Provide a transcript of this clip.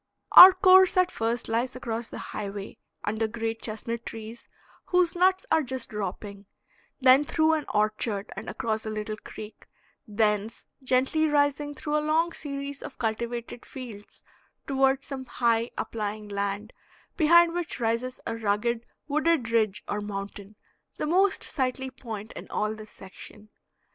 Our course at first lies along the highway, under great chestnut trees whose nuts are just dropping, then through an orchard and across a little creek, thence gently rising through a long series of cultivated fields toward some high, uplying land, behind which rises a rugged wooded ridge or mountain, the most sightly point in all this section.